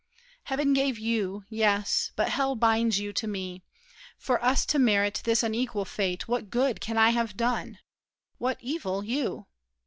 Heaven gave you—yes; but hell binds you to me. For us to merit this unequal fate, What good can I have done? What evil you?